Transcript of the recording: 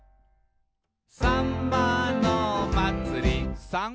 「さんまのまつり」